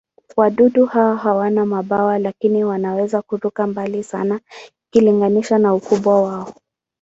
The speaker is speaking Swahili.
Wadudu hao hawana mabawa, lakini wanaweza kuruka mbali sana ikilinganishwa na ukubwa wao.